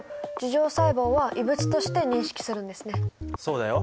そうだよ。